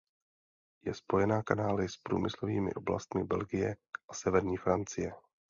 Je spojena kanály s průmyslovými oblastmi Belgie a severní Francie.